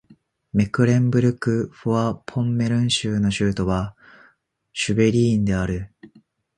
メクレンブルク＝フォアポンメルン州の州都はシュヴェリーンである